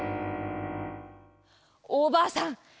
おばあさん